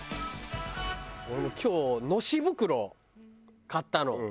俺今日のし袋を買ったの。